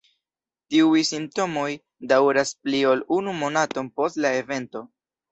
Tiuj simptomoj daŭras pli ol unu monaton post la evento.